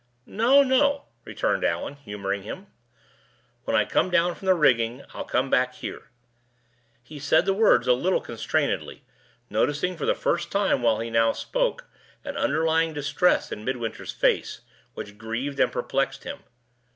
"No, no," returned Allan, humoring him. "When I come down from the rigging, I'll come back here." He said the words a little constrainedly, noticing, for the first time while he now spoke, an underlying distress in Midwinter's face, which grieved and perplexed him.